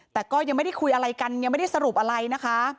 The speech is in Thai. แต่ก็ยังไม่ได้คุยอะไรกันยังไม่ได้สรุปอะไรนะคะ